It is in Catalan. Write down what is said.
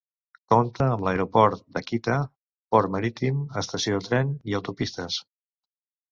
Compta amb l'aeroport d'Akita, port marítim, estació de tren i autopistes.